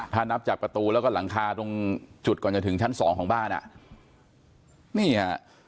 ถ้านับจากประตูแล้วก็หลังคาตรงจุดก่อนจะถึงชั้นสองของบ้านอ่ะนี่ฮะ